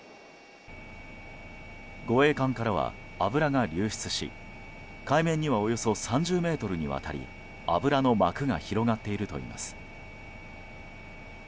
護衛艦からは油が流出し海面にはおよそ３０ｍにわたり油の膜が広がっているといいます。